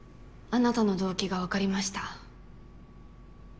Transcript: あなたの動機がわかりました。